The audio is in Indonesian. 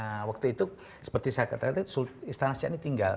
nah waktu itu seperti saya katakan istana saya ini tinggal